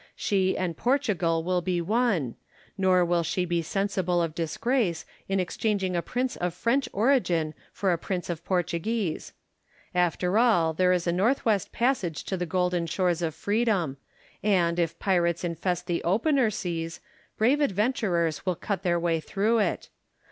She and Portugal will be one : nor will she be sensible of disgrace in exchanging a prince of French origin for a prince of Portuguese. After all there is a north west passage to the golden shores of Freedom ; and, if pirates infest the opener seas, brave adventurers will cut their way through it.